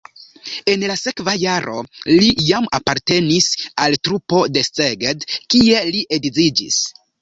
En la sekva jaro li jam apartenis al trupo de Szeged, kie li edziĝis.